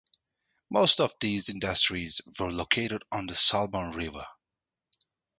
Most of these industries were located on the Salmon River.